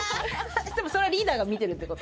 でもそれはリーダーが見てるって事？